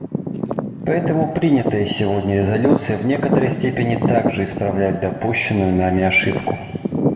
Поэтому принятая сегодня резолюция в некоторой степени также исправляет допущенную нами ошибку.